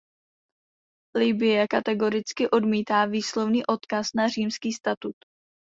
Libye kategoricky odmítá výslovný odkaz na Římský statut.